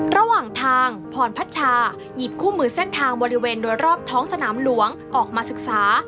ระหว่างทางพรพัชชายหยิบคู่มือเส้นทางบริเวณโดยรอบท้องสนามหลวงออกมาศึกษา